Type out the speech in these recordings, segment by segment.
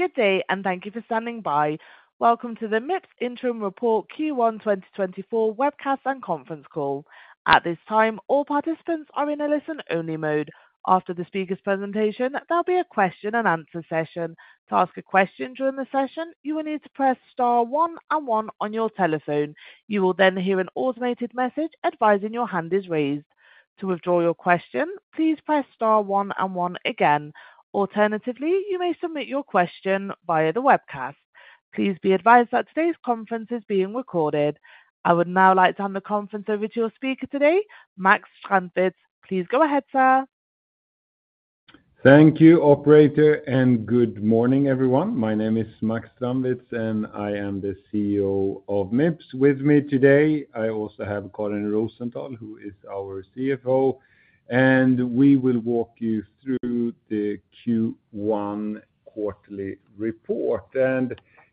Good day, and thank you for standing by. Welcome to the Mips Interim report Q1 2024 webcast and conference call. At this time, all participants are in a listen-only mode. After the speaker's presentation, there'll be a question and answer session. To ask a question during the session, you will need to press star one and one on your telephone. You will then hear an automated message advising your hand is raised. To withdraw your question, please press star one and one again. Alternatively, you may submit your question via the webcast. Please be advised that today's conference is being recorded. I would now like to hand the conference over to your speaker today, Max Strandwitz. Please go ahead, sir. Thank you, operator, and good morning, everyone. My name is Max Strandwitz, and I am the CEO of Mips. With me today, I also have Karin Rosenthal, who is our CFO, and we will walk you through the Q1 quarterly report.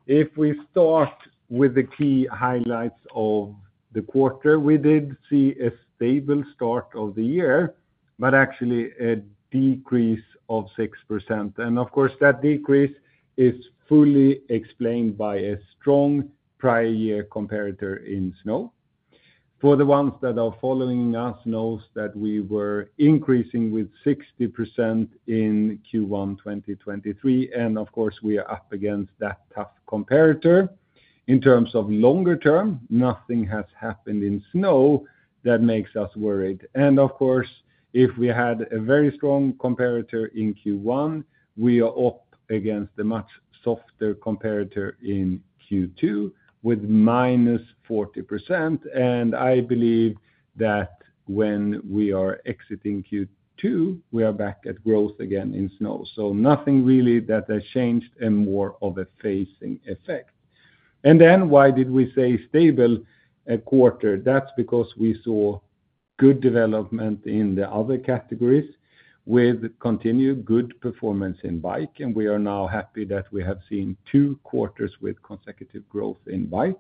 If we start with the key highlights of the quarter, we did see a stable start of the year, but actually a decrease of 6%. Of course, that decrease is fully explained by a strong prior year comparator in snow. For the ones that are following us, knows that we were increasing with 60% in Q1 2023, and of course, we are up against that tough comparator. In terms of longer term, nothing has happened in snow that makes us worried. Of course, if we had a very strong comparator in Q1, we are up against a much softer comparator in Q2 with -40%, and I believe that when we are exiting Q2, we are back at growth again in snow. So nothing really that has changed and more of a phasing effect. And then why did we say stable quarter? That's because we saw good development in the other categories with continued good performance in bike, and we are now happy that we have seen two quarters with consecutive growth in bike.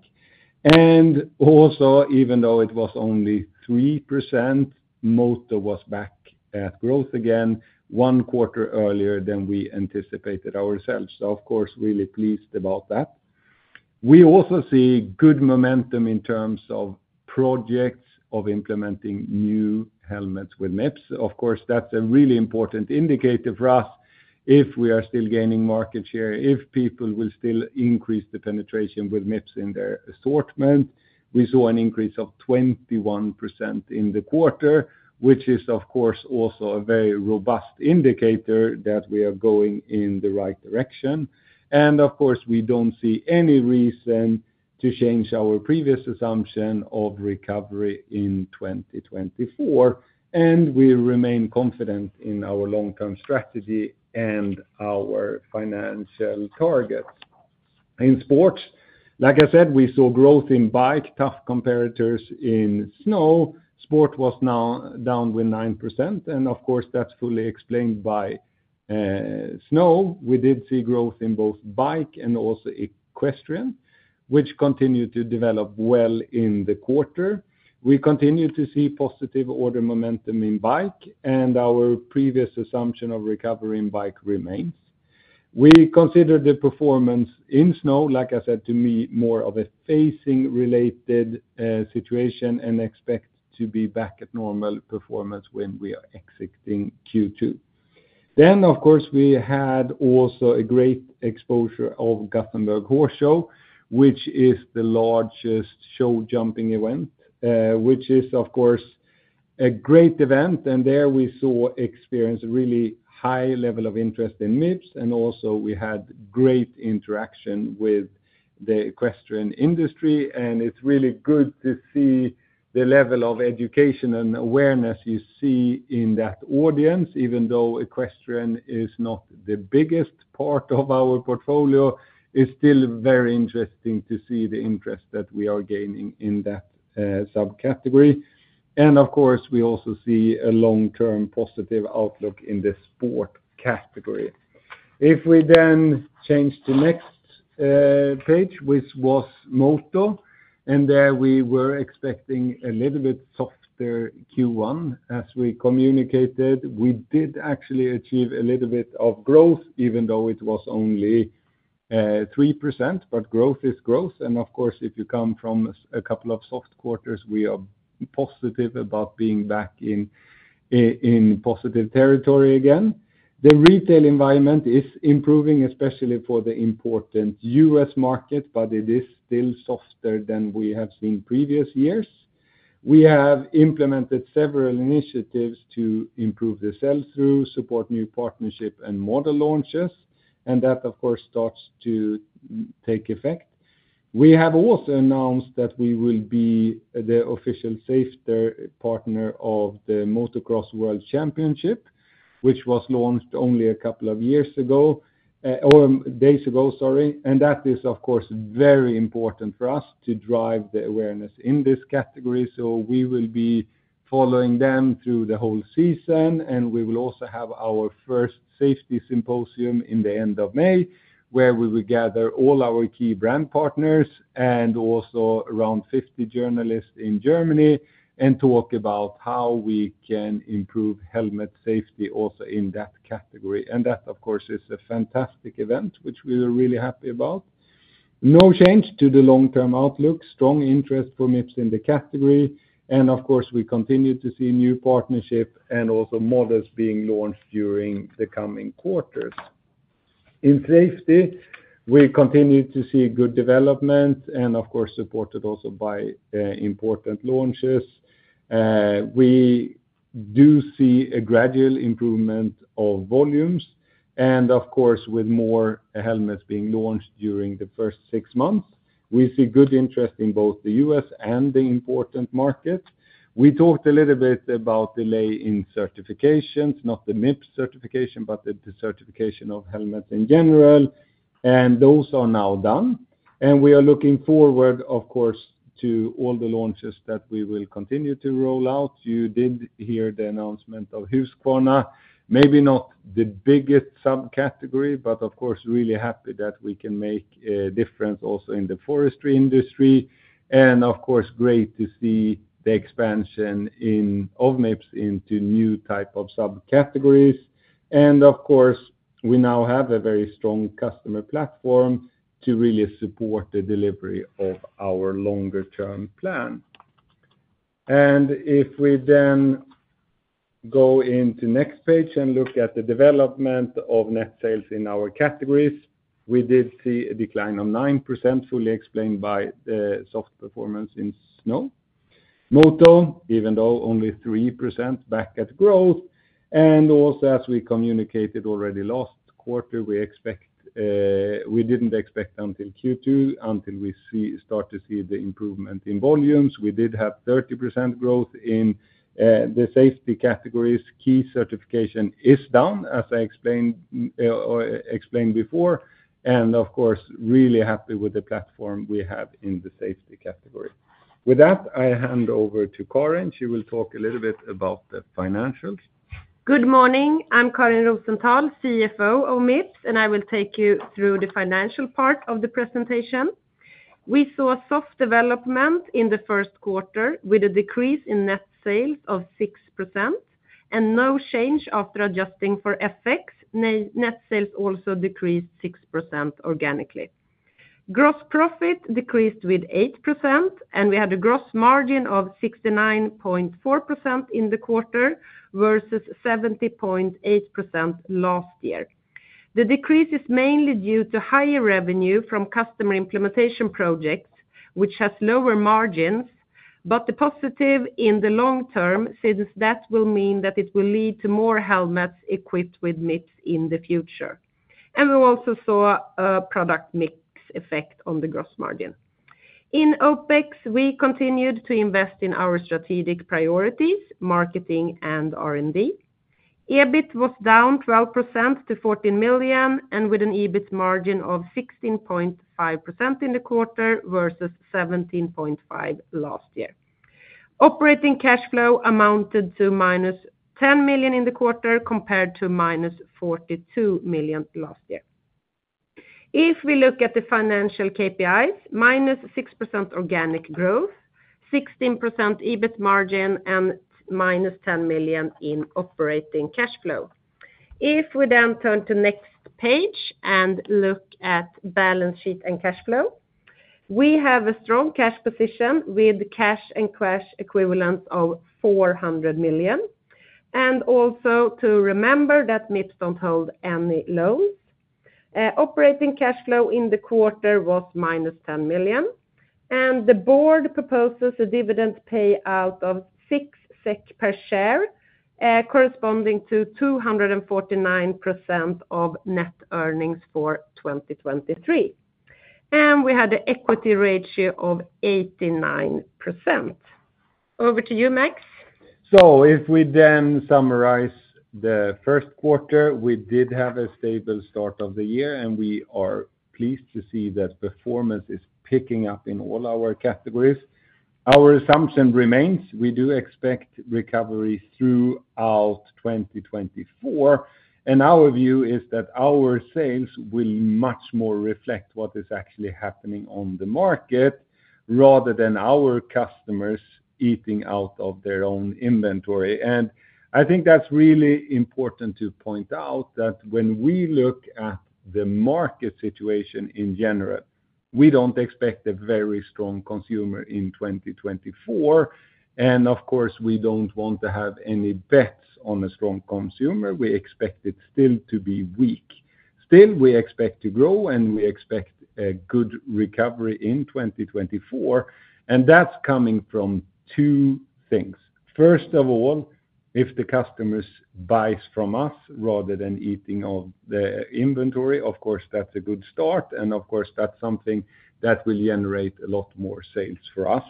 And also, even though it was only 3%, Moto was back at growth again, one quarter earlier than we anticipated ourselves. So of course, really pleased about that. We also see good momentum in terms of projects, of implementing new helmets with Mips. Of course, that's a really important indicator for us if we are still gaining market share, if people will still increase the penetration with Mips in their assortment. We saw an increase of 21% in the quarter, which is of course, also a very robust indicator that we are going in the right direction. And of course, we don't see any reason to change our previous assumption of recovery in 2024, and we remain confident in our long-term strategy and our financial targets. In sport, like I said, we saw growth in bike, tough comparators in snow. Sport was now down 9%, and of course, that's fully explained by snow. We did see growth in both bike and also equestrian, which continued to develop well in the quarter. We continued to see positive order momentum in bike, and our previous assumption of recovery in bike remains. We consider the performance in snow, like I said to me, more of a phasing-related situation and expect to be back at normal performance when we are exiting Q2. Then, of course, we had also a great exposure of Gothenburg Horse Show, which is the largest show jumping event, which is, of course, a great event. And there we experienced a really high level of interest in Mips, and also we had great interaction with the equestrian industry, and it's really good to see the level of education and awareness you see in that audience. Even though equestrian is not the biggest part of our portfolio, it's still very interesting to see the interest that we are gaining in that subcategory. And of course, we also see a long-term positive outlook in the sport category. If we then change to next page, which was Moto, and there we were expecting a little bit softer Q1. As we communicated, we did actually achieve a little bit of growth, even though it was only 3%, but growth is growth. And of course, if you come from a couple of soft quarters, we are positive about being back in positive territory again. The retail environment is improving, especially for the important U.S. market, but it is still softer than we have seen previous years. We have implemented several initiatives to improve the sell-through, support new partnership and model launches, and that, of course, starts to take effect. We have also announced that we will be the official safety partner of the Motocross World Championship, which was launched only a couple of years ago, or days ago, sorry. And that is, of course, very important for us to drive the awareness in this category, so we will be following them through the whole season, and we will also have our first safety symposium in the end of May, where we will gather all our key brand partners and also around 50 journalists in Germany, and talk about how we can improve helmet safety also in that category. And that, of course, is a fantastic event, which we are really happy about.... No change to the long-term outlook, strong interest from Mips in the category, and of course, we continue to see new partnership and also models being launched during the coming quarters. In safety, we continue to see good development, and of course, supported also by, important launches. We do see a gradual improvement of volumes, and of course, with more helmets being launched during the first six months, we see good interest in both the U.S. and the important market. We talked a little bit about delay in certifications, not the Mips certification, but the certification of helmets in general, and those are now done. We are looking forward, of course, to all the launches that we will continue to roll out. You did hear the announcement of Husqvarna, maybe not the biggest subcategory, but of course, really happy that we can make a difference also in the forestry industry. Of course, great to see the expansion of Mips into new type of subcategories. Of course, we now have a very strong customer platform to really support the delivery of our longer term plan. If we then go into next page and look at the development of net sales in our categories, we did see a decline of 9%, fully explained by the soft performance in snow. Moto, even though only 3% but at growth, and also as we communicated already last quarter, we expect, we didn't expect until Q2, until we start to see the improvement in volumes. We did have 30% growth in the safety categories. Key certification is done, as I explained or explained before, and of course, really happy with the platform we have in the safety category. With that, I hand over to Karin. She will talk a little bit about the financials. Good morning, I'm Karin Rosenthal, CFO of Mips, and I will take you through the financial part of the presentation. We saw a soft development in the first quarter with a decrease in net sales of 6% and no change after adjusting for effects. Net, net sales also decreased 6% organically. Gross profit decreased with 8%, and we had a gross margin of 69.4% in the quarter versus 70.8% last year. The decrease is mainly due to higher revenue from customer implementation projects, which has lower margins, but the positive in the long term, since that will mean that it will lead to more helmets equipped with Mips in the future. And we also saw a product mix effect on the gross margin. In OpEx, we continued to invest in our strategic priorities, marketing and R&D. EBIT was down 12% to 14 million, and with an EBIT margin of 16.5% in the quarter versus 17.5% last year. Operating cash flow amounted to -10 million in the quarter, compared to -42 million last year. If we look at the financial KPIs, -6% organic growth, 16% EBIT margin, and -10 million in operating cash flow. If we then turn to next page and look at balance sheet and cash flow, we have a strong cash position with cash and cash equivalent of 400 million, and also to remember that Mips don't hold any loans. Operating cash flow in the quarter was -10 million, and the board proposes a dividend payout of 6 SEK per share, corresponding to 249% of net earnings for 2023. We had an equity ratio of 89%. Over to you, Max. So if we then summarize the first quarter, we did have a stable start of the year, and we are pleased to see that performance is picking up in all our categories. Our assumption remains, we do expect recovery throughout 2024, and our view is that our sales will much more reflect what is actually happening on the market rather than our customers eating out of their own inventory. And I think that's really important to point out that when we look at the market situation in general, we don't expect a very strong consumer in 2024. And of course, we don't want to have any bets on a strong consumer. We expect it still to be weak. Still, we expect to grow, and we expect a good recovery in 2024, and that's coming from two things. First of all, if the customers buys from us rather than eating all the inventory, of course, that's a good start, and of course, that's something that will generate a lot more sales for us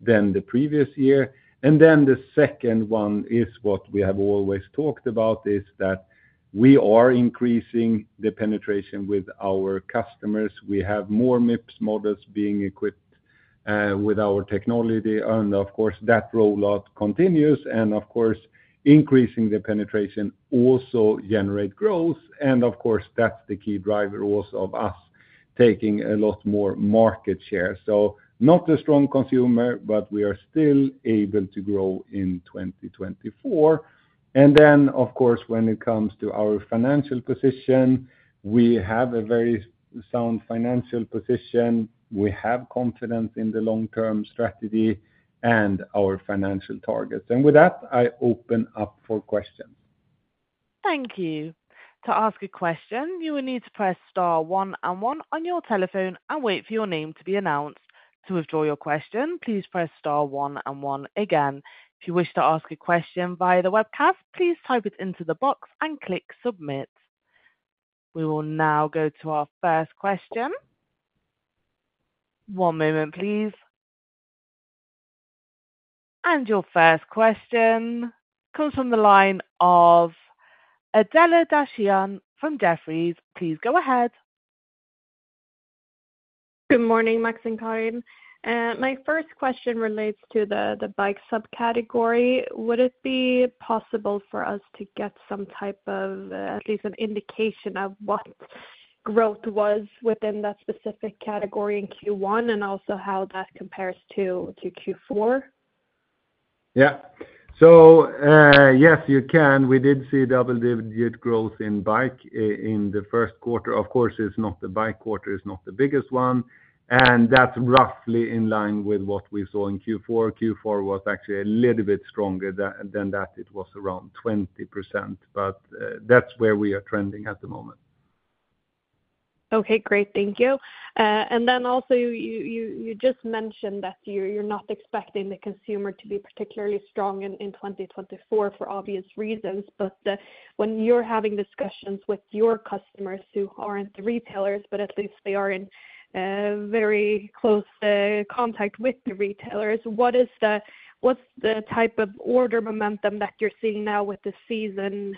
than the previous year. Then the second one is what we have always talked about, is that we are increasing the penetration with our customers. We have more Mips models being equipped with our technology, and of course, that rollout continues, and of course, increasing the penetration also generate growth. Of course, that's the key driver also of us taking a lot more market share. So not a strong consumer, but we are still able to grow in 2024. Then, of course, when it comes to our financial position, we have a very sound financial position. We have confidence in the long-term strategy and our financial targets. With that, I open up for questions. Thank you. To ask a question, you will need to press star one and one on your telephone and wait for your name to be announced. To withdraw your question, please press star one and one again. If you wish to ask a question via the webcast, please type it into the box and click Submit. We will now go to our first question. One moment, please. Your first question comes from the line of Adela Dashian from Jefferies. Please go ahead. Good morning, Max and Karin. My first question relates to the bike subcategory. Would it be possible for us to get some type of at least an indication of what growth was within that specific category in Q1, and also how that compares to Q4? Yeah. So, yes, you can. We did see double-digit growth in bike in the first quarter. Of course, it's not the bike quarter, it's not the biggest one, and that's roughly in line with what we saw in Q4. Q4 was actually a little bit stronger than that. It was around 20%, but, that's where we are trending at the moment. Okay, great. Thank you. And then also, you just mentioned that you're not expecting the consumer to be particularly strong in 2024 for obvious reasons, but when you're having discussions with your customers who aren't retailers, but at least they are in a very close contact with the retailers, what's the type of order momentum that you're seeing now with the season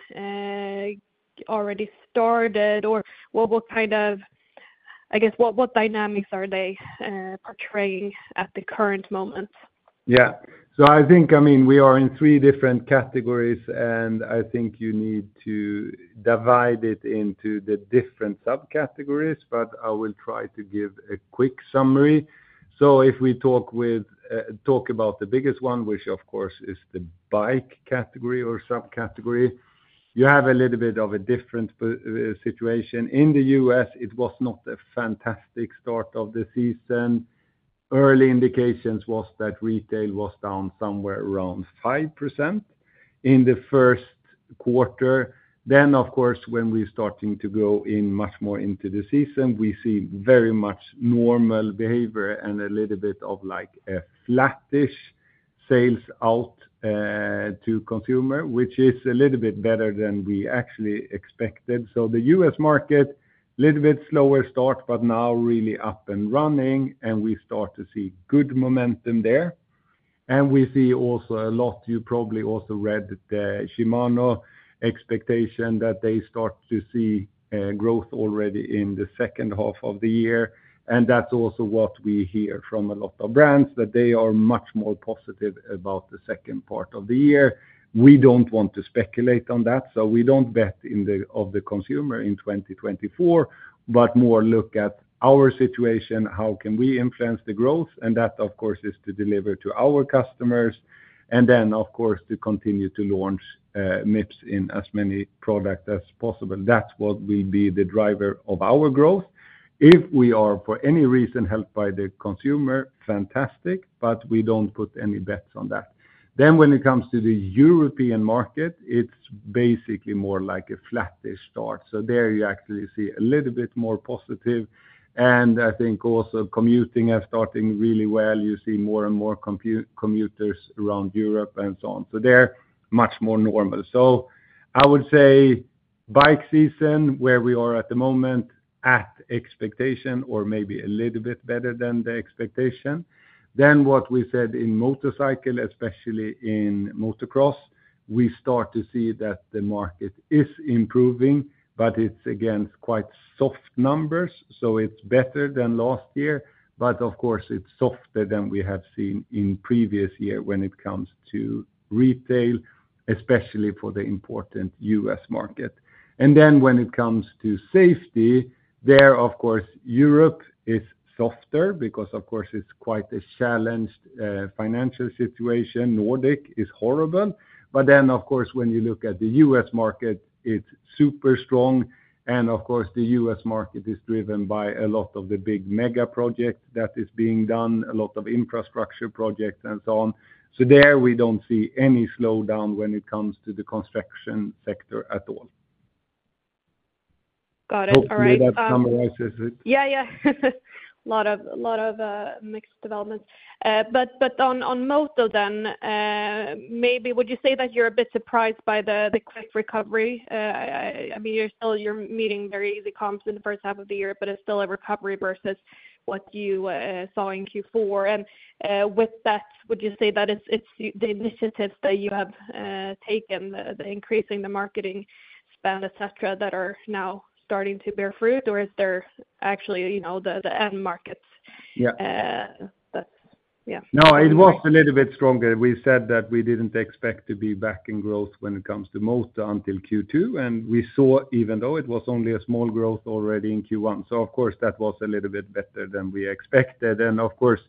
already started? Or what kind of... I guess, what dynamics are they portraying at the current moment? Yeah. So I think, I mean, we are in three different categories, and I think you need to divide it into the different subcategories, but I will try to give a quick summary. So if we talk about the biggest one, which of course is the bike category or subcategory, you have a little bit of a different situation. In the U.S., it was not a fantastic start of the season. Early indications was that retail was down somewhere around 5% in the first quarter. Then, of course, when we're starting to go in much more into the season, we see very much normal behavior and a little bit of, like, a flattish sell-out to consumer, which is a little bit better than we actually expected. So the U.S. market, little bit slower start, but now really up and running, and we start to see good momentum there. And we see also a lot, you probably also read the Shimano expectation that they start to see, growth already in the second half of the year, and that's also what we hear from a lot of brands, that they are much more positive about the second part of the year. We don't want to speculate on that, so we don't bet in the- of the consumer in 2024, but more look at our situation, how can we influence the growth, and that, of course, is to deliver to our customers, and then, of course, to continue to launch, Mips in as many product as possible. That's what will be the driver of our growth. If we are, for any reason, helped by the consumer, fantastic, but we don't put any bets on that. Then when it comes to the European market, it's basically more like a flattish start. So there you actually see a little bit more positive, and I think also commuting are starting really well. You see more and more commuters around Europe and so on. So they're much more normal. So I would say bike season, where we are at the moment, at expectation or maybe a little bit better than the expectation. Then what we said in motorcycle, especially in motocross, we start to see that the market is improving, but it's against quite soft numbers. So it's better than last year, but of course, it's softer than we have seen in previous year when it comes to retail, especially for the important U.S. market. When it comes to safety, there, of course, Europe is softer because, of course, it's quite a challenged financial situation. Nordic is horrible. Of course, when you look at the U.S. market, it's super strong, and of course, the U.S. market is driven by a lot of the big mega projects that is being done, a lot of infrastructure projects and so on. There, we don't see any slowdown when it comes to the construction sector at all. Got it. All right. Hopefully that summarizes it. Yeah, yeah. Lot of, lot of, mixed developments. But, but on, on most of them, maybe would you say that you're a bit surprised by the, the quick recovery? I mean, you're still, you're meeting very easy comps in the first half of the year, but it's still a recovery versus what you saw in Q4. And, with that, would you say that it's the initiatives that you have taken, the increasing the marketing spend, et cetera, that are now starting to bear fruit, or is there actually, you know, the end markets? Yeah. That's... Yeah. No, it was a little bit stronger. We said that we didn't expect to be back in growth when it comes to Moto until Q2, and we saw, even though it was only a small growth, already in Q1. So of course, that was a little bit better than we expected. And of course,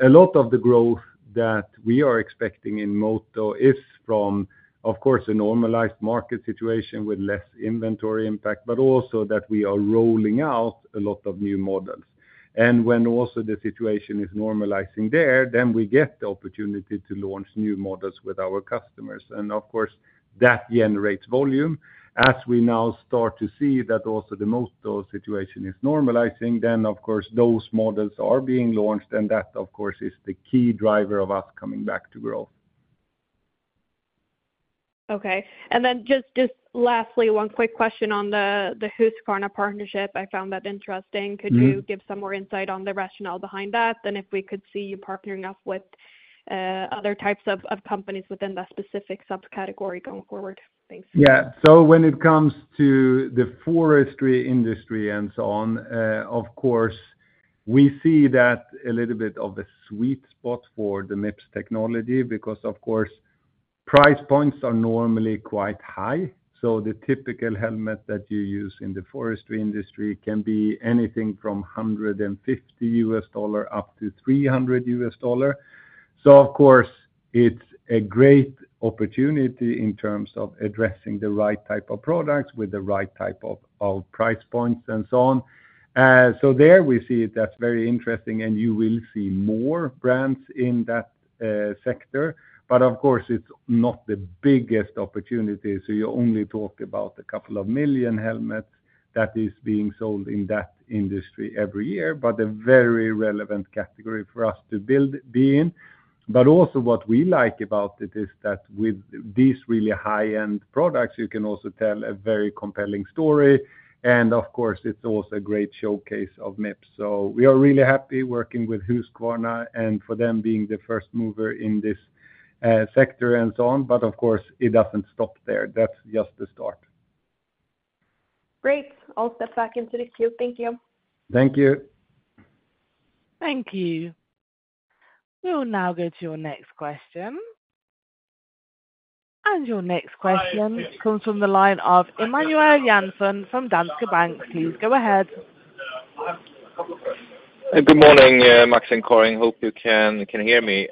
a lot of the growth that we are expecting in Moto is from, of course, a normalized market situation with less inventory impact, but also that we are rolling out a lot of new models. And when also the situation is normalizing there, then we get the opportunity to launch new models with our customers. And, of course, that generates volume. As we now start to see that also the most situation is normalizing, then of course, those models are being launched, and that, of course, is the key driver of us coming back to growth. Okay. And then just lastly, one quick question on the Husqvarna partnership. I found that interesting. Could you give some more insight on the rationale behind that? Then if we could see you partnering up with other types of companies within that specific subcategory going forward? Thanks. Yeah. So when it comes to the forestry industry and so on, of course, we see that a little bit of the sweet spot for the Mips technology, because, of course, price points are normally quite high. So the typical helmet that you use in the forestry industry can be anything from $150-$300. So of course, it's a great opportunity in terms of addressing the right type of products with the right type of, of price points and so on. So there we see that's very interesting, and you will see more brands in that sector. But of course, it's not the biggest opportunity, so you only talk about a couple of million helmets that is being sold in that industry every year, but a very relevant category for us to be in. But also what we like about it is that with these really high-end products, you can also tell a very compelling story, and of course, it's also a great showcase of Mips. So we are really happy working with Husqvarna and for them being the first mover in this, sector and so on. But of course, it doesn't stop there. That's just the start. Great. I'll step back into the queue. Thank you. Thank you. Thank you. We'll now go to your next question. Your next question comes from the line of Emanuel Jansson from Danske Bank. Please go ahead. Good morning, Max and Karin. Hope you can hear me.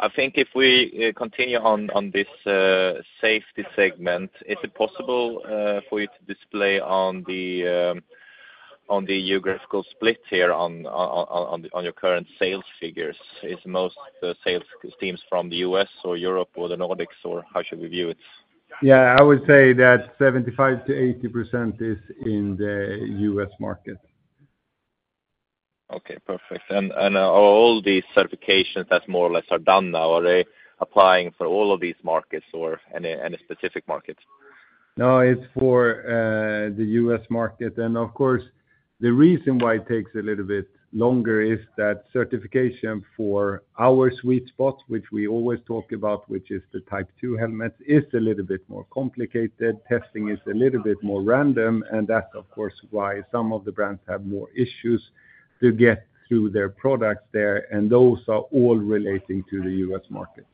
I think if we continue on this safety segment, is it possible for you to display on the geographical split here on your current sales figures? Is most the sales teams from the U.S. or Europe or the Nordics, or how should we view it? Yeah, I would say that 75%-80% is in the U.S. market. Okay, perfect. And, and all these certifications that more or less are done now, are they applying for all of these markets or any, any specific markets? No, it's for the U.S. market. And of course, the reason why it takes a little bit longer is that certification for our sweet spot, which we always talk about, which is the Type II helmets, is a little bit more complicated. Testing is a little bit more random, and that, of course, why some of the brands have more issues to get through their products there, and those are all relating to the U.S. market.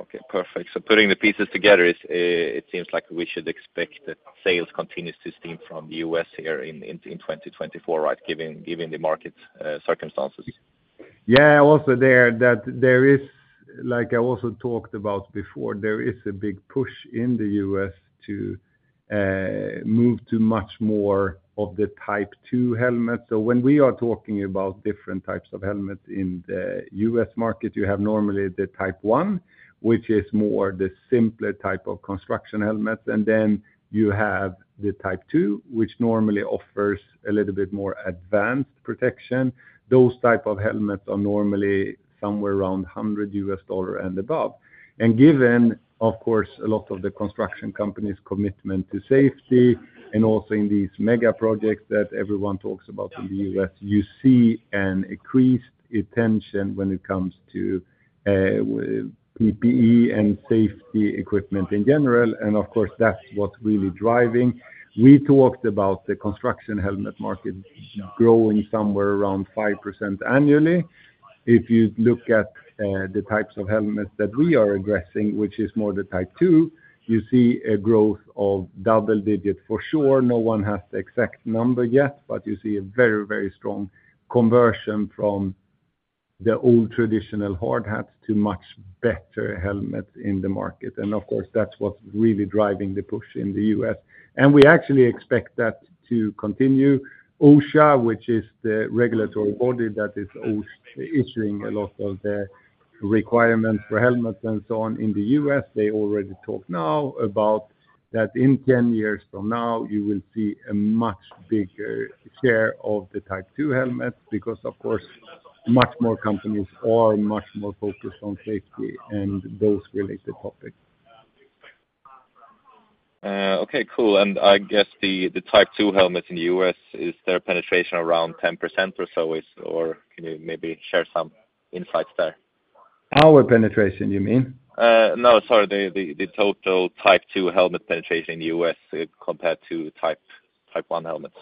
Okay, perfect. Putting the pieces together, it seems like we should expect that sales continues to steam from the U.S. here in 2024, right? Given the market circumstances. Yeah, also, like I also talked about before, there is a big push in the U.S. to move to much more of the Type II helmets. So when we are talking about different types of helmets in the U.S. market, you have normally the Type I, which is more the simpler type of construction helmets, and then you have the Type II, which normally offers a little bit more advanced protection. Those type of helmets are normally somewhere around $100 and above. And given, of course, a lot of the construction companies' commitment to safety, and also in these mega projects that everyone talks about in the U.S., you see an increased attention when it comes to PPE and safety equipment in general, and of course, that's what's really driving. We talked about the construction helmet market growing somewhere around 5% annually. If you look at the types of helmets that we are addressing, which is more the Type II, you see a growth of double-digit. For sure, no one has the exact number yet, but you see a very, very strong conversion from the old traditional hard hats to much better helmets in the market. Of course, that's what's really driving the push in the U.S. We actually expect that to continue. OSHA, which is the regulatory body that is issuing a lot of the requirements for helmets and so on in the U.S., they already talk now about that in 10 years from now, you will see a much bigger share of the Type II helmets, because, of course, much more companies are much more focused on safety and those related topics. Okay, cool. And I guess the Type II helmets in the U.S., is their penetration around 10% or so, or can you maybe share some insights there? Our penetration, you mean? No, sorry, the total Type II helmet penetration in the U.S. compared to Type I helmets.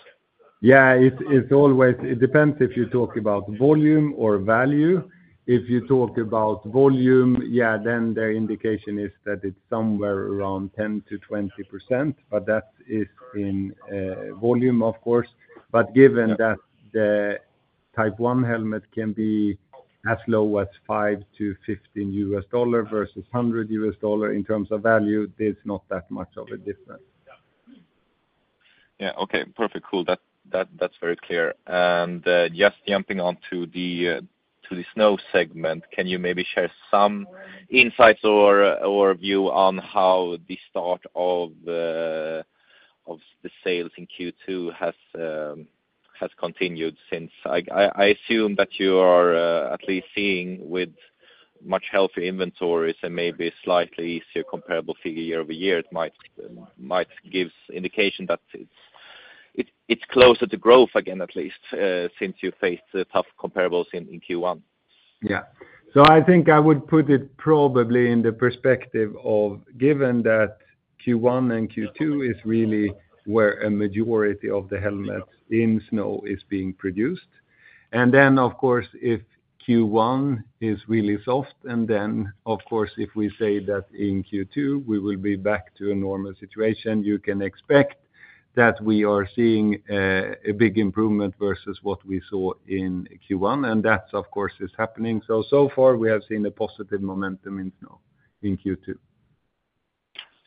Yeah, it's always—it depends if you talk about volume or value. If you talk about volume, yeah, then the indication is that it's somewhere around 10%-20%, but that is in volume, of course. But given that Type I helmet can be as low as $5-$15 versus $100 in terms of value, there's not that much of a difference. Yeah, okay, perfect. Cool. That, that, that's very clear. And, just jumping on to the snow segment, can you maybe share some insights or view on how the start of the sales in Q2 has continued since? I assume that you are at least seeing with much healthier inventories and maybe slightly easier comparable figure year over year, it might give indication that it's closer to growth again, at least, since you faced the tough comparables in Q1. Yeah. So I think I would put it probably in the perspective of, given that Q1 and Q2 is really where a majority of the helmets in snow is being produced. And then, of course, if Q1 is really soft, and then, of course, if we say that in Q2, we will be back to a normal situation, you can expect that we are seeing a big improvement versus what we saw in Q1, and that, of course, is happening. So, so far, we have seen a positive momentum in snow in Q2.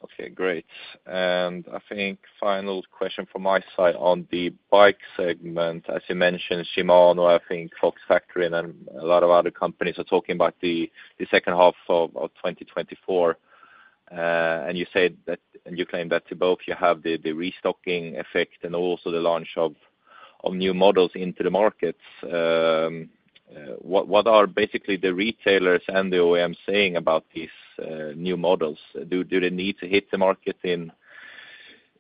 Okay, great. And I think final question from my side on the bike segment, as you mentioned, Shimano, I think Fox Factory and a lot of other companies are talking about the second half of 2024. And you said that—and you claim that both you have the restocking effect and also the launch of new models into the markets. What are basically the retailers and the OEM saying about these new models? Do they need to hit the market in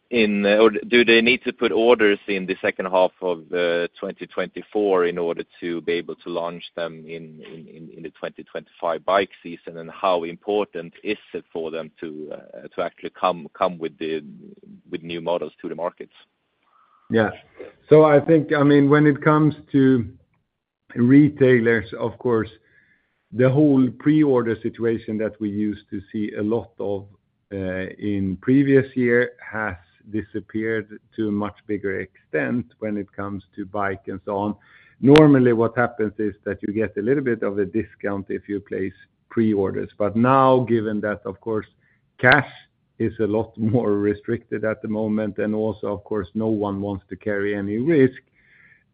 or do they need to put orders in the second half of 2024 in order to be able to launch them in the 2025 bike season? And how important is it for them to actually come with new models to the markets? Yeah. So I think, I mean, when it comes to retailers, of course, the whole pre-order situation that we used to see a lot of, in previous year has disappeared to a much bigger extent when it comes to bike and so on. Normally, what happens is that you get a little bit of a discount if you place pre-orders. But now, given that, of course, cash is a lot more restricted at the moment, and also, of course, no one wants to carry any risk,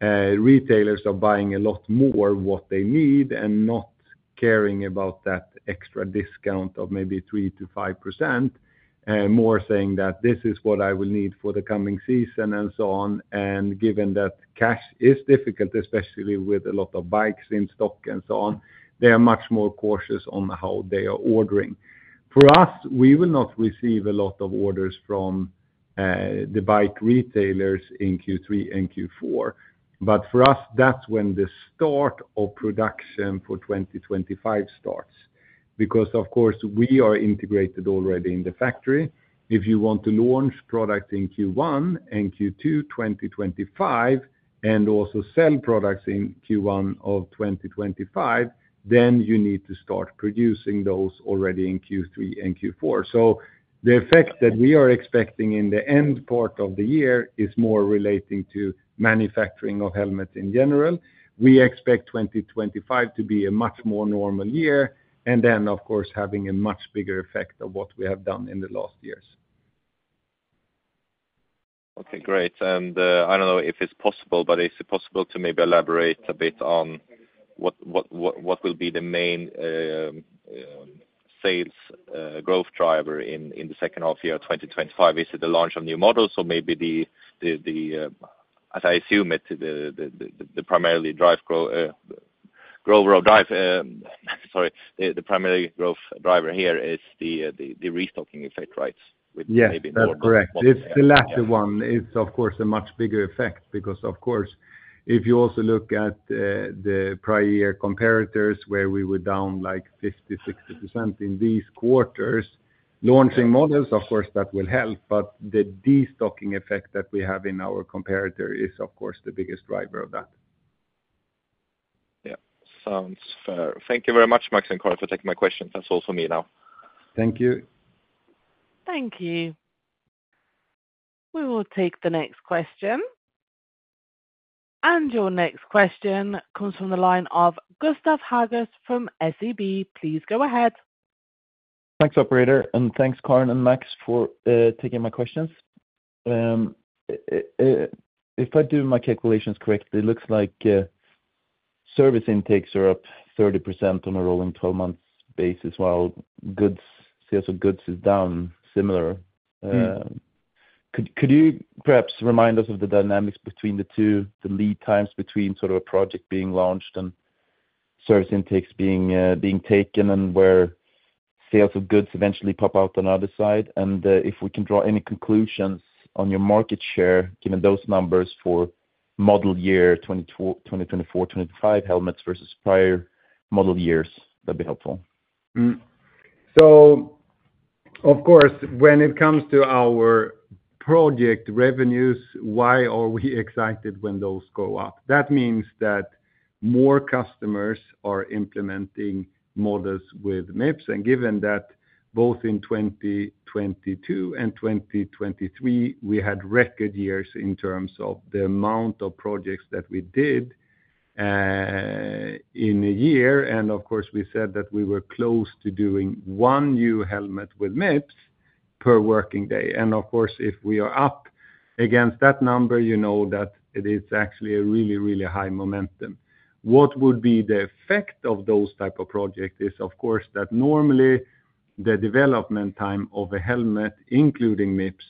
retailers are buying a lot more what they need and not caring about that extra discount of maybe 3%-5%, more saying that this is what I will need for the coming season and so on. Given that cash is difficult, especially with a lot of bikes in stock and so on, they are much more cautious on how they are ordering. For us, we will not receive a lot of orders from the bike retailers in Q3 and Q4, but for us, that's when the start of production for 2025 starts. Because, of course, we are integrated already in the factory. If you want to launch product in Q1 and Q2 2025, and also sell products in Q1 of 2025, then you need to start producing those already in Q3 and Q4. So the effect that we are expecting in the end part of the year is more relating to manufacturing of helmets in general. We expect 2025 to be a much more normal year, and then, of course, having a much bigger effect of what we have done in the last years. Okay, great. And, I don't know if it's possible, but is it possible to maybe elaborate a bit on what will be the main sales growth driver in the second half year of 2025? Is it the launch of new models or maybe, as I assume it, the primary growth driver here is the restocking effect, right? Yeah, that's correct. It's maybe more- It's the latter one. It's of course a much bigger effect because, of course, if you also look at the prior year comparators, where we were down like 50%-60% in these quarters, launching models, of course, that will help, but the destocking effect that we have in our comparator is, of course, the biggest driver of that. Yeah. Sounds fair. Thank you very much, Max and Karin, for taking my questions. That's all for me now. Thank you. Thank you. We will take the next question. Your next question comes from the line of Gustav Hagéus from SEB. Please go ahead. Thanks, operator, and thanks, Karin and Max, for taking my questions. If I do my calculations correctly, it looks like service intakes are up 30% on a rolling 12 months basis, while goods, sales of goods is down similar. Could you perhaps remind us of the dynamics between the two, the lead times between sort of a project being launched and service intakes being taken, and where sales of goods eventually pop out on the other side? If we can draw any conclusions on your market share, given those numbers for model year 2022, 2024, 2025 helmets versus prior model years, that'd be helpful. So of course, when it comes to our project revenues, why are we excited when those go up? That means that more customers are implementing models with Mips, and given that both in 2022 and 2023, we had record years in terms of the amount of projects that we did, in a year, and of course, we said that we were close to doing one new helmet with Mips per working day. And of course, if we are up against that number, you know that it is actually a really, really high momentum. What would be the effect of those type of project is, of course, that normally the development time of a helmet, including Mips,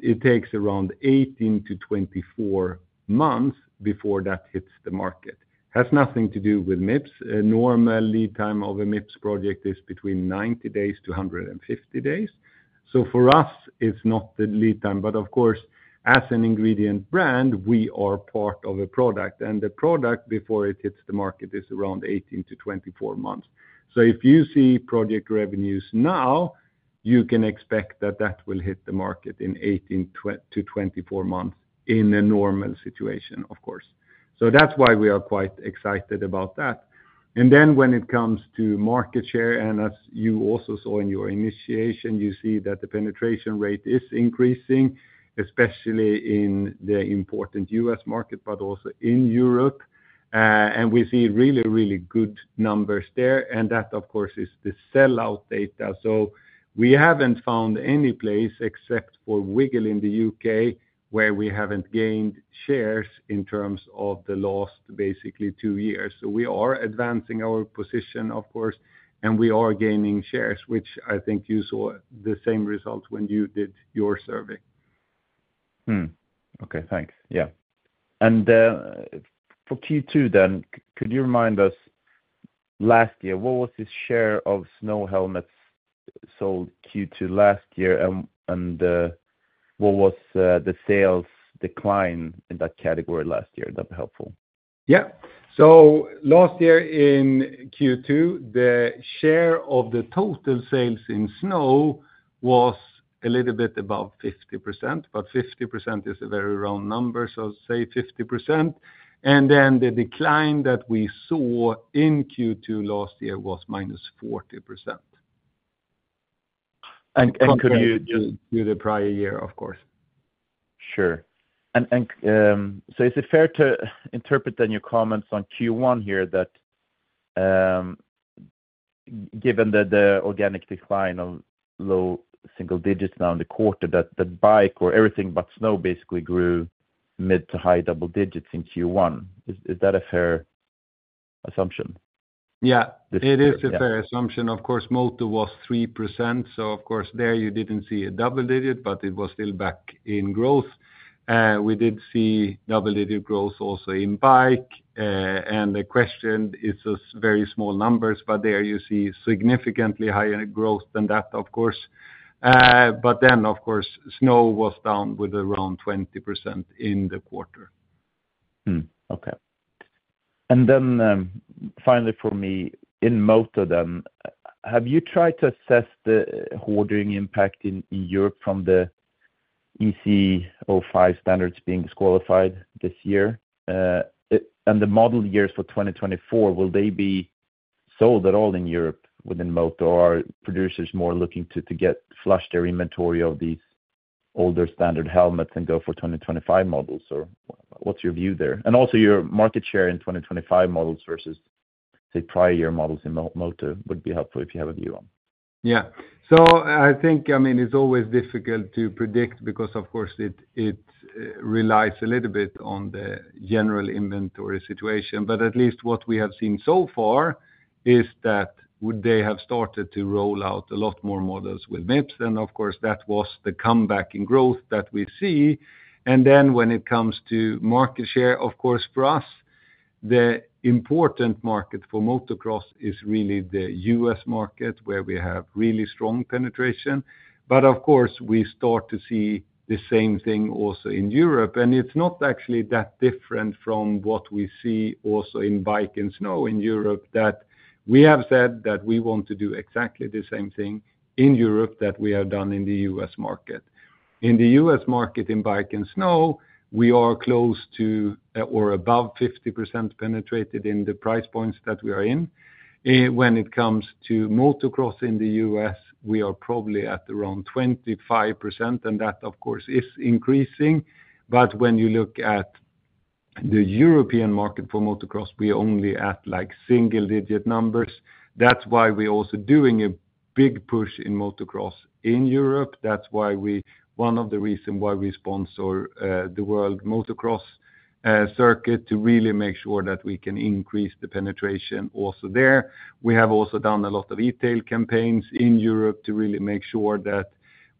it takes around 18-24 months before that hits the market. Has nothing to do with Mips. A normal lead time of a Mips project is between 90-150 days. So for us, it's not the lead time, but of course, as an ingredient brand, we are part of a product, and the product before it hits the market, is around 18-24 months. So if you see project revenues now, you can expect that that will hit the market in 18-24 months in a normal situation, of course. So that's why we are quite excited about that. And then when it comes to market share, and as you also saw in your initiation, you see that the penetration rate is increasing, especially in the important U.S. market, but also in Europe. And we see really, really good numbers there, and that, of course, is the sell-out data. So we haven't found any place except for Wiggle in the U.K., where we haven't gained shares in terms of the last basically two years. So we are advancing our position, of course, and we are gaining shares, which I think you saw the same results when you did your survey. Hmm, okay, thanks. Yeah. And for Q2 then, could you remind us last year, what was the share of snow helmets sold Q2 last year, and what was the sales decline in that category last year? That'd be helpful. Yeah. So last year in Q2, the share of the total sales in snow was a little bit above 50%, but 50% is a very round number, so say 50%. And then the decline that we saw in Q2 last year was -40%. And, could you- To the prior year, of course. Sure. So is it fair to interpret then your comments on Q1 here that, given that the organic decline of low single-digits now in the quarter, that the bike or everything but snow basically grew mid- to high double digits in Q1? Is that a fair assumption? Yeah, it is a fair assumption. Of course, Moto was 3%, so of course, there you didn't see a double-digit, but it was still back in growth. We did see double-digit growth also in bike, and the question, it's a very small numbers, but there you see significantly higher growth than that, of course. But then, of course, snow was down with around 20% in the quarter. Okay. And then, finally, for me, in Moto then, have you tried to assess the hoarding impact in Europe from the ECE 22.05 standards being disqualified this year? And the model years for 2024, will they be sold at all in Europe within Moto, or are producers more looking to get flush their inventory of the older standard helmets and go for 2025 models, or what's your view there? And also your market share in 2025 models versus, say, prior year models in Moto would be helpful if you have a view on. Yeah. So I think, I mean, it's always difficult to predict because, of course, it, it relies a little bit on the general inventory situation. But at least what we have seen so far is that would they have started to roll out a lot more models with Mips, then, of course, that was the comeback in growth that we see. And then when it comes to market share, of course, for us, the important market for motocross is really the U.S. market, where we have really strong penetration. But of course, we start to see the same thing also in Europe, and it's not actually that different from what we see also in bike and snow in Europe, that we have said that we want to do exactly the same thing in Europe that we have done in the U.S. market. In the U.S. market, in bike and snow, we are close to or above 50% penetrated in the price points that we are in. When it comes to motocross in the U.S., we are probably at around 25%, and that, of course, is increasing. But when you look at the European market for motocross, we're only at, like, single-digit numbers. That's why we're also doing a big push in motocross in Europe. That's why we—one of the reason why we sponsor the World Motocross circuit, to really make sure that we can increase the penetration also there. We have also done a lot of e-tail campaigns in Europe to really make sure that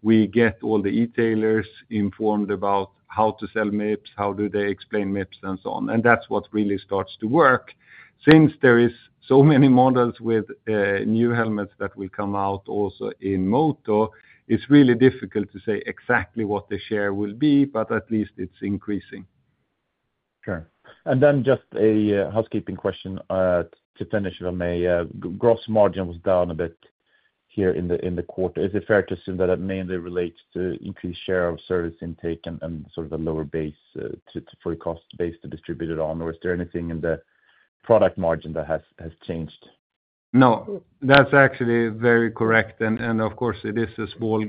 we get all the e-tailers informed about how to sell Mips, how do they explain Mips, and so on. That's what really starts to work. Since there is so many models with new helmets that will come out also in Moto, it's really difficult to say exactly what the share will be, but at least it's increasing. Sure. And then just a housekeeping question to finish, if I may. Gross margin was down a bit here in the quarter. Is it fair to assume that it mainly relates to increased share of service intake and sort of a lower base for a cost base to distribute it on? Or is there anything in the product margin that has changed? No, that's actually very correct. And of course, it is a small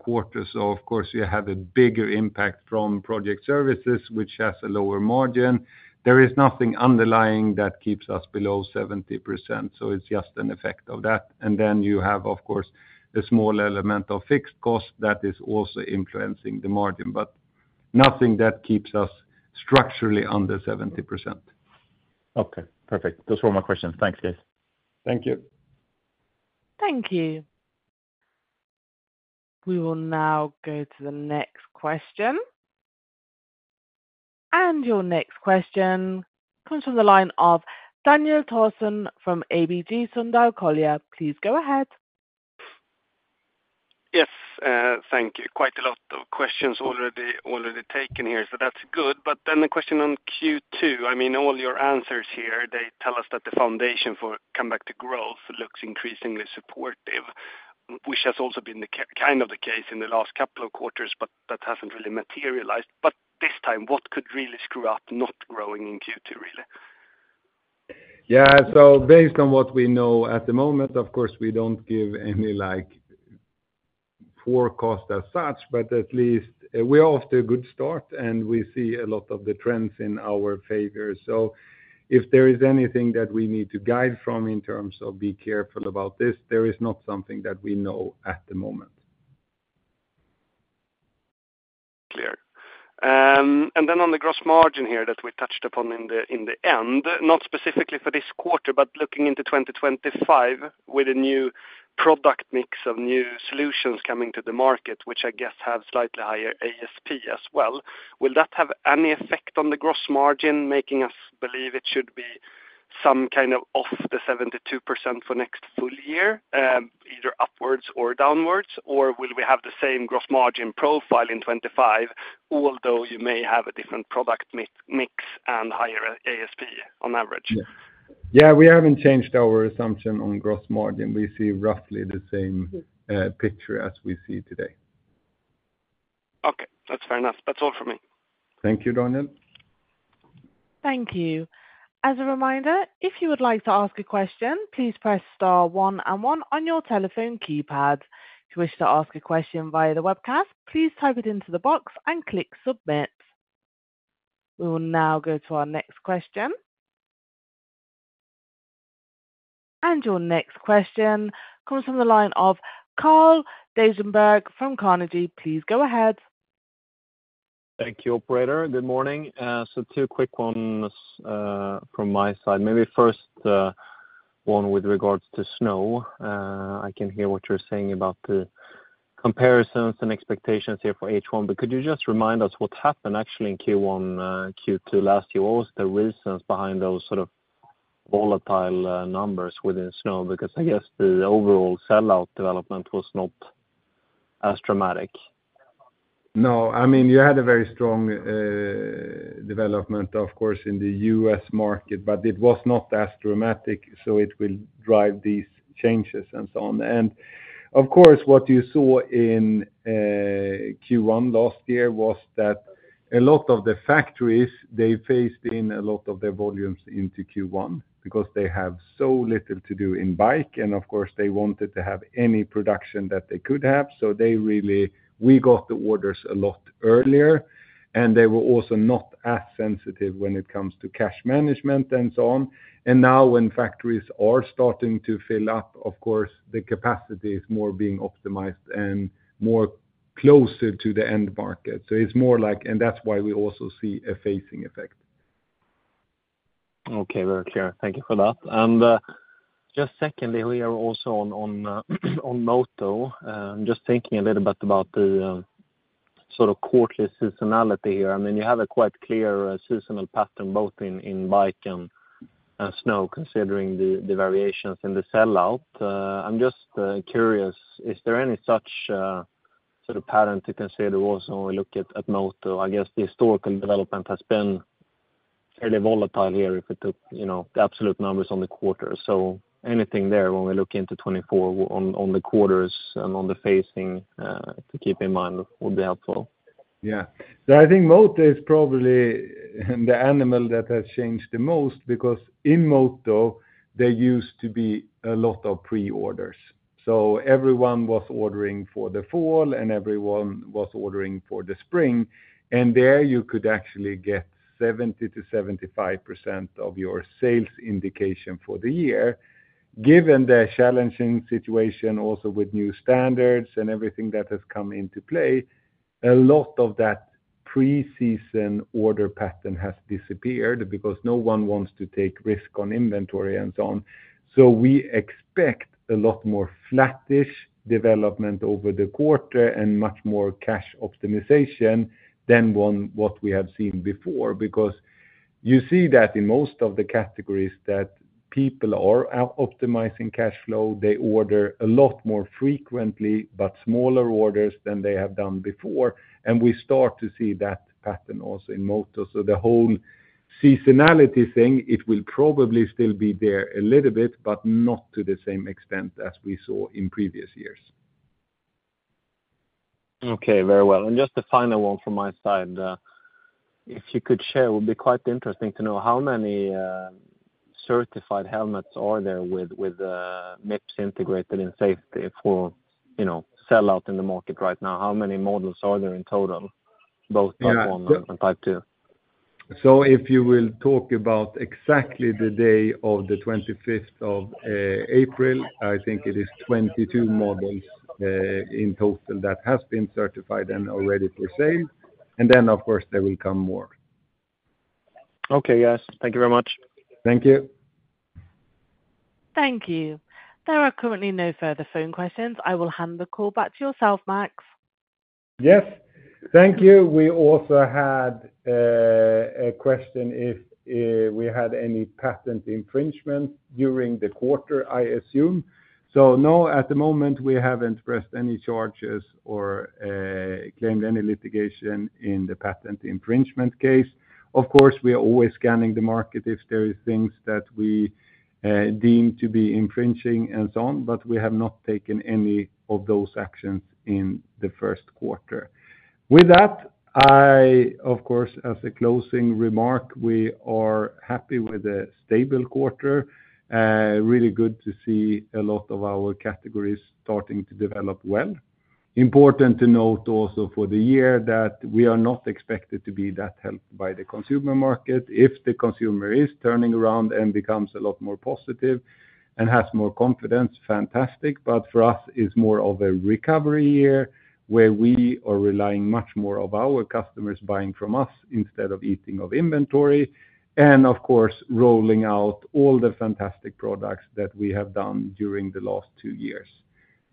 quarter, so of course you have a bigger impact from project services, which has a lower margin. There is nothing underlying that keeps us below 70%, so it's just an effect of that. And then you have, of course, a small element of fixed cost that is also influencing the margin, but nothing that keeps us structurally under 70%. Okay, perfect. Those were my questions. Thanks, guys. Thank you. Thank you. We will now go to the next question. Your next question comes from the line of Daniel Thorsson from ABG Sundal Collier. Please go ahead. Yes, thank you. Quite a lot of questions already taken here, so that's good. But then the question on Q2, I mean, all your answers here, they tell us that the foundation for comeback to growth looks increasingly supportive, which has also been the kind of the case in the last couple of quarters, but that hasn't really materialized. But this time, what could really screw up not growing in Q2, really? Yeah, so based on what we know at the moment, of course, we don't give any, like, forecast as such, but at least we're off to a good start, and we see a lot of the trends in our favor. So if there is anything that we need to guide from in terms of be careful about this, there is not something that we know at the moment. Clear. And then on the gross margin here that we touched upon in the, in the end, not specifically for this quarter, but looking into 2025 with a new product mix of new solutions coming to the market, which I guess have slightly higher ASP as well, will that have any effect on the gross margin, making us believe it should be some kind of off the 72% for next full year, either upwards or downwards? Or will we have the same gross margin profile in 2025, although you may have a different product mix and higher ASP on average? Yeah, we haven't changed our assumption on gross margin. We see roughly the same, picture as we see today. Okay. That's fair enough. That's all for me. Thank you, Daniel. Thank you. As a reminder, if you would like to ask a question, please press star one and one on your telephone keypad. If you wish to ask a question via the webcast, please type it into the box and click Submit. We will now go to our next question. Your next question comes from the line of Carl Deijenberg from Carnegie. Please go ahead. Thank you, operator. Good morning. So two quick ones, from my side. Maybe first, one with regards to snow. I can hear what you're saying about the comparisons and expectations here for H1, but could you just remind us what happened actually in Q1, Q2 last year? What was the reasons behind those sort of volatile, numbers within snow? Because I guess the overall sellout development was not as dramatic. No, I mean, you had a very strong development, of course, in the U.S. market, but it was not as dramatic, so it will drive these changes and so on. And of course, what you saw in Q1 last year was that a lot of the factories, they phased in a lot of their volumes into Q1 because they have so little to do in bike, and of course, they wanted to have any production that they could have. So we got the orders a lot earlier, and they were also not as sensitive when it comes to cash management and so on. And now when factories are starting to fill up, of course, the capacity is more being optimized and more closer to the end market. So it's more like, and that's why we also see a phasing effect. Okay, very clear. Thank you for that. And, just secondly, we are also on Moto. Just thinking a little bit about the sort of quarterly seasonality here. I mean, you have a quite clear seasonal pattern, both in bike and snow, considering the variations in the sell-out. I'm just curious, is there any such sort of pattern you can say there also when we look at Moto? I guess the historical development has been fairly volatile here if it took, you know, the absolute numbers on the quarter. So anything there, when we look into 2024 on the quarters and on the phasing to keep in mind would be helpful. Yeah. So I think Moto is probably the animal that has changed the most, because in Moto, there used to be a lot of pre-orders. So everyone was ordering for the fall, and everyone was ordering for the spring, and there you could actually get 70%-75% of your sales indication for the year. Given the challenging situation also with new standards and everything that has come into play, a lot of that pre-season order pattern has disappeared because no one wants to take risk on inventory and so on. So we expect a lot more flattish development over the quarter and much more cash optimization than one, what we have seen before. Because you see that in most of the categories that people are out optimizing cash flow, they order a lot more frequently, but smaller orders than they have done before, and we start to see that pattern also in Moto. So the whole seasonality thing, it will probably still be there a little bit, but not to the same extent as we saw in previous years. Okay, very well. And just the final one from my side, if you could share, it would be quite interesting to know how many certified helmets are there with the Mips integrated in safety for, you know, sell out in the market right now? How many models are there in total, both Type I and Type II? So if you will talk about exactly the day of the 25th of April, I think it is 22 models in total that has been certified and are ready for sale. And then, of course, there will come more. Okay, yes. Thank you very much. Thank you. Thank you. There are currently no further phone questions. I will hand the call back to yourself, Max. Yes, thank you. We also had a question if we had any patent infringement during the quarter, I assume. So, no, at the moment, we haven't pressed any charges or claimed any litigation in the patent infringement case. Of course, we are always scanning the market if there is things that we deem to be infringing and so on, but we have not taken any of those actions in the first quarter. With that, I, of course, as a closing remark, we are happy with a stable quarter. Really good to see a lot of our categories starting to develop well. Important to note also for the year that we are not expected to be that helped by the consumer market. If the consumer is turning around and becomes a lot more positive and has more confidence, fantastic. But for us, it's more of a recovery year, where we are relying much more of our customers buying from us instead of eating of inventory, and of course, rolling out all the fantastic products that we have done during the last two years.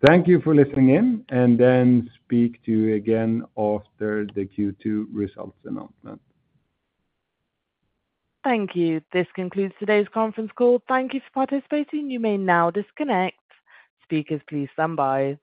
Thank you for listening in, and then speak to you again after the Q2 results announcement. Thank you. This concludes today's conference call. Thank you for participating. You may now disconnect. Speakers, please stand by.